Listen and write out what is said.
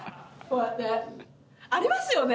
こうやって。ありますよね？